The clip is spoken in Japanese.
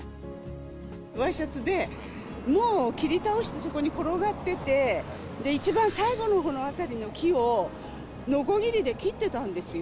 ワイシャツで、もう切り倒して、そこに転がってて、一番最後のあたりの木を、のこぎりで切ってたんですよ。